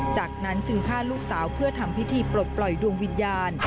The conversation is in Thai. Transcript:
จากนั้นจึงฆ่าลูกสาวเพื่อทำพิธีปลดปล่อยดวงวิญญาณ